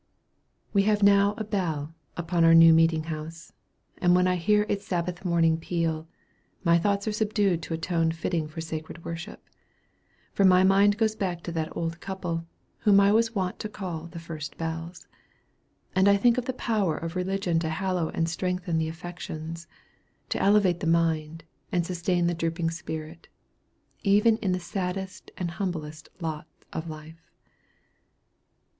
We have now a bell upon our new meeting house; and when I hear its Sabbath morning peal, my thoughts are subdued to a tone fitting for sacred worship; for my mind goes back to that old couple, whom I was wont to call "the first bells;" and I think of the power of religion to hallow and strengthen the affections, to elevate the mind, and sustain the drooping spirit, even in the saddest and humblest lot of life.